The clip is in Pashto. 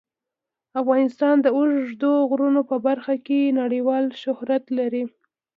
افغانستان د اوږدو غرونو په برخه کې نړیوال شهرت لري.